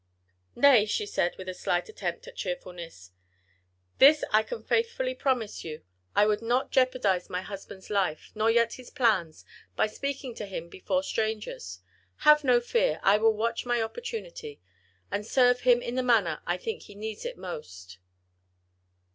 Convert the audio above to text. "Nay," she said with a slight attempt at cheerfulness, "that can I faithfully promise you. I would not jeopardise my husband's life, nor yet his plans, by speaking to him before strangers. Have no fear, I will watch my opportunity, and serve him in the manner I think he needs it most."